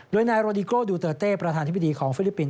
โดยนายโรดิโก้ดูเตอร์เต้ประธานธิบดีของฟิลิปปินส